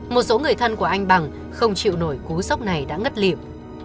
một số người thân của anh bằng không chịu nổi cú sốc này đã ngất liềm